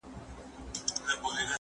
کار وکړه؟